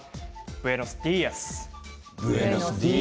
ブエノスディアス。